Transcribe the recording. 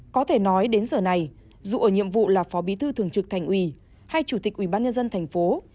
có thể nói đến giờ này dù ở nhiệm vụ là phó bí thư thường trực thành uy hay chủ tịch ubnd thành phố